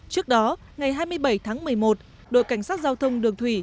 trước đó ngày hai mươi bảy tháng một mươi một đội cảnh sát giao thông đường thủy